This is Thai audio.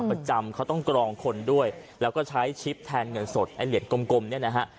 ประจำเขาต้องกรองคนด้วยแล้วก็ใช้ชิปแทนเงินสดไอ้เหรียญกลมเนี่ยนะฮะ